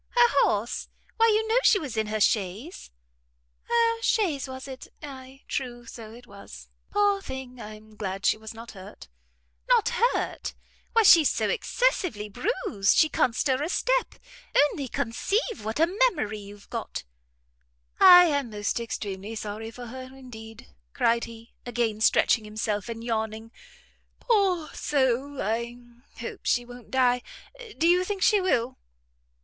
"Her horse? Why you know she was in her chaise." "Her chaise, was it? ay, true, so it was. Poor thing! I am glad she was not hurt." "Not hurt? Why she's so excessively bruised, she can't stir a step! Only conceive what a memory you've got!" "I am most extremely sorry for her indeed," cried he, again stretching himself and yawning; "poor soul! I hope she won't die. Do you think she will!"